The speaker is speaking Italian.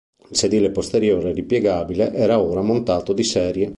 Il sedile posteriore ripiegabile era ora montato di serie.